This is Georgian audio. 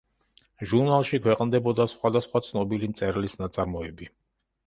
ჟურნალში ქვეყნდებოდა სხვადასხვა ცნობილი მწერლის ნაწარმოები.